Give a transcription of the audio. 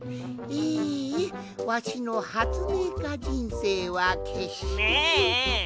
えわしのはつめいかじんせいはけっして。